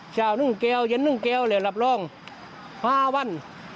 ชาวหนึ่งแก้วละปรอง๕วัน